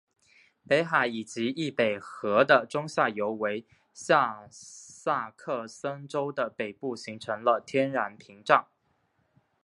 北海以及易北河的中下游为下萨克森州的北部形成了天然屏障。